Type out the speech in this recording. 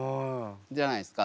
じゃないですか？